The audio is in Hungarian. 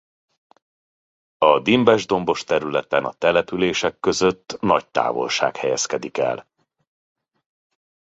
A dimbes-dombos területen a települések között nagy távolság helyezkedik el.